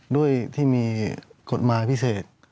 ด้วยที่มีกฎหมายพิเศษ